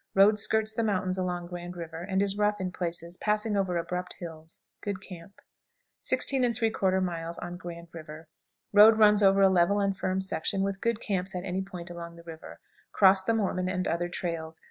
Road skirts the mountains along Grand River, and is rough in places, passing over abrupt hills. Good camp. 16 3/4. Grand River. Road runs over a level and firm section, with good camps at any point along the river. Cross the Mormon and other trails.